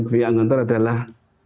buiang gontor adalah